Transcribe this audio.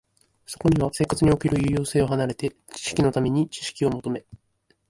そこには生活における有用性を離れて、知識のために知識を求め、